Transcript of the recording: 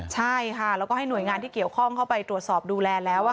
ใช่ค่ะแล้วก็ให้หน่วยงานที่เกี่ยวข้องเข้าไปตรวจสอบดูแลแล้ว